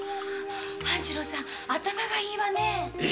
半次郎さん頭がいいわねえ。